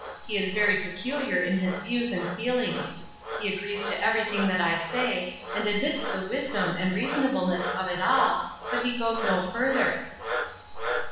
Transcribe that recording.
He is very peculiar in his views and feelings. He agrees to every thing that I say, and admits the wisdom and reasonableness of it all, but he goes no further."